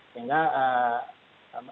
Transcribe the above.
sehingga itu mempengaruhi negara negara